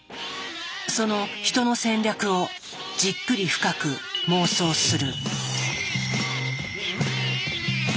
そのヒトの戦略をじっくり深く妄想する。